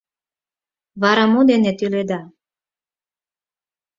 Вара мо дене тӱледа